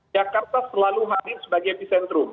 jakarta selalu hadir sebagai epicentrum